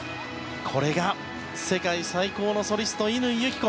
これが世界最高のソリスト、乾友紀子。